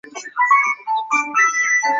明清北京皇城有两个西南角。